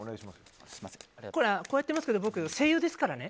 こうやってますけど僕、声優ですからね。